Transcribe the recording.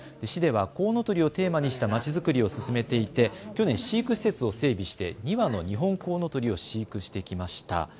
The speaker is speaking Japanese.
市ではコウノトリをテーマにしたまちづくりを進めていて、去年、飼育施設を整備して２羽のニホンコウノトリを飼育してきました。